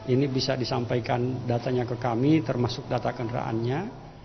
ini bisa disampaikan datanya ke kami termasuk data kendaraannya